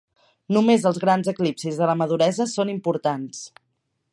Només els grans eclipsis de la maduresa són importants.